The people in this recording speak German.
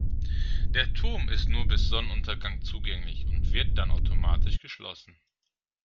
Der Turm ist nur bis Sonnenuntergang zugänglich und wird dann automatisch geschlossen.